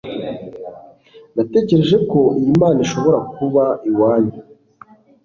natekereje ko iyi mpano ishobora kuba iwanyu